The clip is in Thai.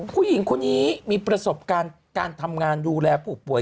ผู้หญิงคนนี้มีประสบการณ์การทำงานดูแลผู้ป่วย